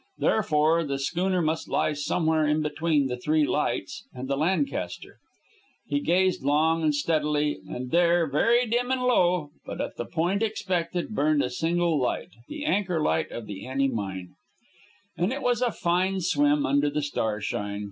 Therefore the schooner must lie somewhere between the three lights and the Lancaster. He gazed long and steadily, and there, very dim and low, but at the point he expected, burned a single light the anchor light of the Annie Mine. And it was a fine swim under the starshine.